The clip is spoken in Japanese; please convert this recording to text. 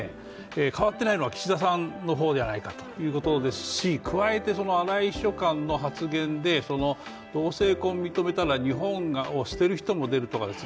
変わっていないのは岸田さんの方ではないかということですし、加えて荒井秘書官の発言で同性婚を認めたら日本を捨てる人も出るとかですね